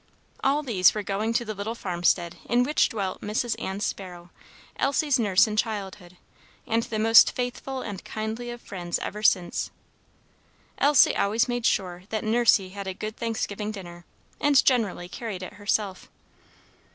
All these were going to the little farmstead in which dwelt Mrs. Ann Sparrow, Elsie's nurse in childhood, and the most faithful and kindly of friends ever since. Elsie always made sure that "Nursey" had a good Thanksgiving dinner, and generally carried it herself.